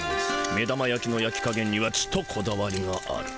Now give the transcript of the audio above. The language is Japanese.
目玉やきのやきかげんにはちとこだわりがある。